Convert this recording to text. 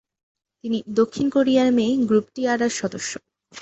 তিনি দক্ষিণ কোরিয়ার মেয়ে গ্রুপ টি-আরার সদস্য।